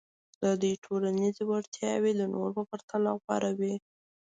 د دوی ټولنیزې وړتیاوې د نورو په پرتله غوره وې.